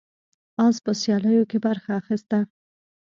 اس په سیالیو کې برخه اخیسته.